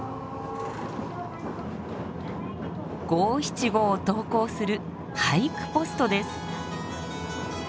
五・七・五を投稿する俳句ポストです。